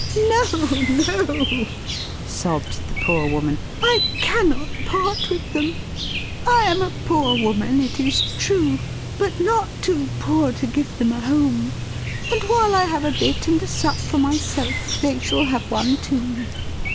"No, no!" sobbed the poor woman; "I cannot part with them. I am a poor woman, it is true, but not too poor to give them a home; and while I have a bit and a sup for myself they shall have one too.